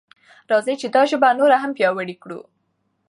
راځئ چې دا ژبه نوره هم پیاوړې کړو.